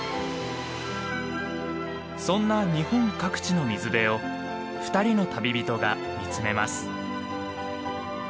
そんな日本各地の水辺を２人の旅人が見つめます。